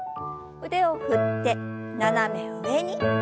腕を振って斜め上に。